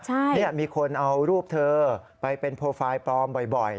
ใช่เนี่ยมีคนเอารูปเธอไปเป็นโปรไฟล์ปลอมบ่อย